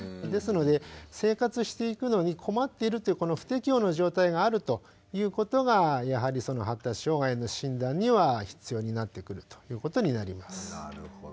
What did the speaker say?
ですので生活していくのに困っているというこの「不適応」の状態があるということがやはりその発達障害の診断には必要になってくるということになります。